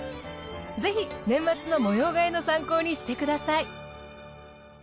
ぜひ年末の模様替えの参考にしてください。